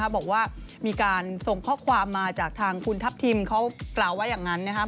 บอกว่ามีการส่งข้อความมาจากทางคุณทัพทิมเขากล่าวไว้อย่างนั้นนะครับ